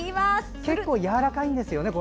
結構やわらかいんですよねこれ。